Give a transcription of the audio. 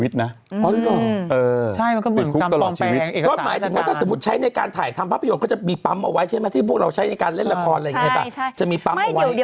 รู้สึกว่าจะมีนะเขาที่ฟังไม่ผิด